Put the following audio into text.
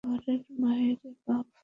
কার্ভারের মায়রে বাপ।